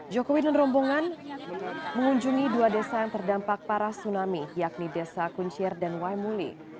jokowi dan rombongan mengunjungi dua desa yang terdampak parah tsunami yakni desa kuncir dan waimuli